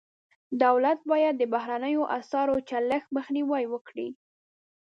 دولت باید د بهرنیو اسعارو چلښت مخنیوی وکړي.